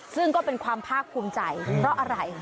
ซึ่งก็เป็นความภาคภูมิใจเพราะอะไร